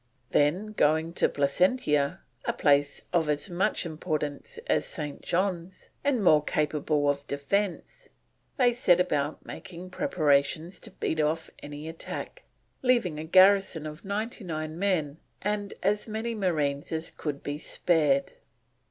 Then going to Placentia, a place of as much importance as St. John's, and more capable of defence, they set about making preparations to beat off any attack, leaving a garrison of 99 men and as many marines as could be spared.